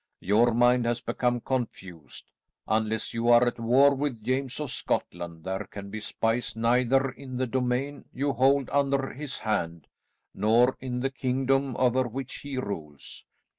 Your mind has become confused. Unless you are at war with James of Scotland, there can be spies neither in the domain you hold under his hand, nor in the kingdom over which he rules.